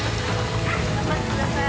頑張って下さい。